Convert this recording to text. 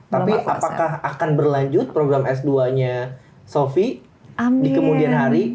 tapi apakah akan berlanjut program s dua nya sofie di kemudian hari